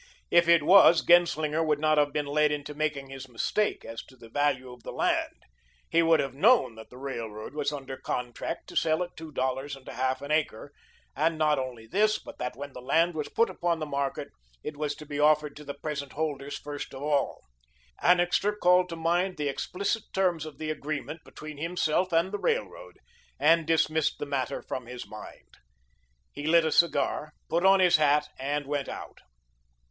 If it was; Genslinger would not have been led into making his mistake as to the value of the land. He would have known that the railroad was under contract to sell at two dollars and a half an acre, and not only this, but that when the land was put upon the market, it was to be offered to the present holders first of all. Annixter called to mind the explicit terms of the agreement between himself and the railroad, and dismissed the matter from his mind. He lit a cigar, put on his hat and went out.